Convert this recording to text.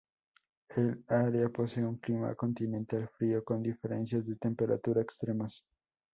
El área posee un clima continental frío, con diferencias de temperatura extremas.